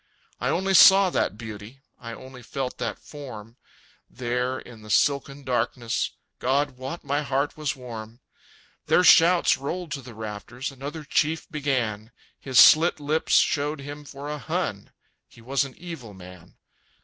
I only saw that beauty, I only felt that form There, in the silken darkness God wot my heart was warm!_ Their shouts rolled to the rafters, Another chief began; His slit lips showed him for a Hun; He was an evil man.